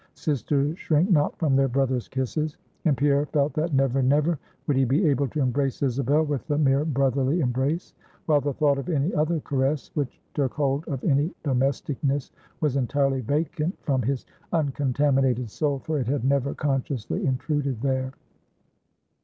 Sisters shrink not from their brother's kisses. And Pierre felt that never, never would he be able to embrace Isabel with the mere brotherly embrace; while the thought of any other caress, which took hold of any domesticness, was entirely vacant from his uncontaminated soul, for it had never consciously intruded there.